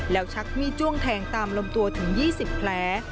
แล้วชักมีดจ้วงแทงตามลำตัวถึง๒๐แผล